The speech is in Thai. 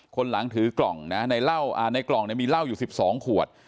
คนหลังถือกล่องนะในกล่องมีเหล้าอยู่๑๒ขวด